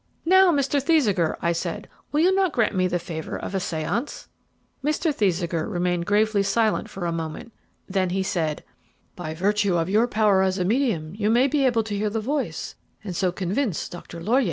"And now, Mr. Thesiger," I said, "will you not grant me the favour of a séance?" Mr. Thesiger remained gravely silent for a moment; then he said: "By virtue of your power as a medium, you may be able to hear the voice, and so convince Dr. Laurier of its reality."